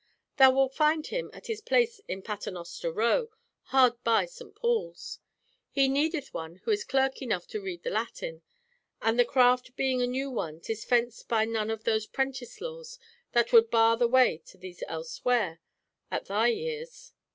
Thou wilt find him at his place in Paternoster Row, hard by St. Paul's. He needeth one who is clerk enough to read the Latin, and the craft being a new one 'tis fenced by none of those prentice laws that would bar the way to thee elsewhere, at thy years."